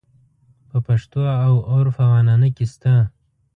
په پښتو او عُرف او عنعنه کې شته.